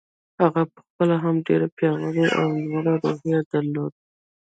هغه په خپله هم ډېره پياوړې او لوړه روحيه درلوده.